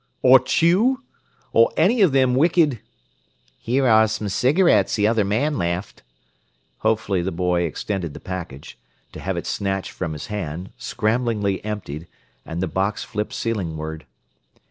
Or chew? Or any of them wicked " "Here are some cigarettes the other man left." Hopefully the boy extended the package to have it snatched from his hand, scramblingly emptied, and the box flipped ceilingward.